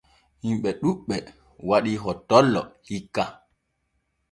Himɓe ɗuuɓɓe waɗi hottollo hikka.